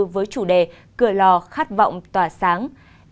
với chủ đề cửa lò khát vọng tỏa sáng